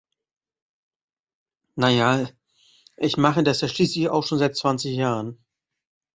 Na ja, ich mache das ja schließlich auch schon seit zwanzig Jahren.